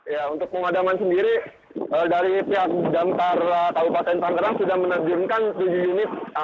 ya untuk pemadaman sendiri dari pihak damkar kabupaten tangerang sudah menerjunkan tujuh unit